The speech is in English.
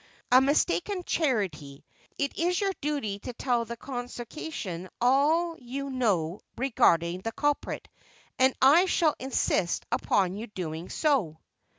"A mistaken charity. It is your duty to tell the Consociation all you know regarding the culprit, and I shall insist upon your doing so."